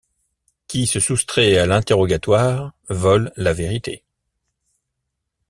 Qui se soustrait à l’interrogatoire vole la vérité.